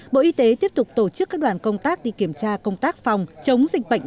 bộ y tế tiếp tục tổ chức các đoàn công tác đi kiểm tra công tác phòng chống dịch bệnh